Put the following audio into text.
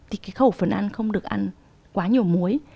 thì cái khẩu phần ăn không được ăn quá nhiều muối